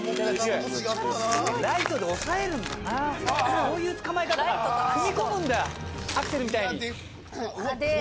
そういう捕まえ方踏み込むんだアクセルみたいに。